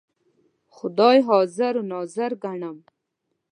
خدای حاضر ناظر ګڼم.